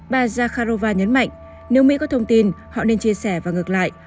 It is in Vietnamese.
bà zakharova nhấn mạnh nếu mỹ có thông tin họ nên chia sẻ và ngược lại